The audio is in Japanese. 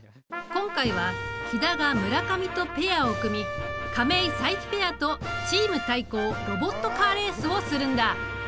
今回は肥田が村上とペアを組み亀井・佐伯ペアとチーム対抗ロボットカーレースをするんだ。